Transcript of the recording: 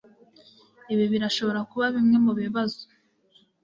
Ibi birashobora kuba bimwe mubibazo.